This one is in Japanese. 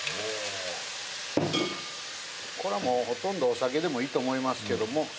これはもうほとんどお酒でもいいと思いますけども。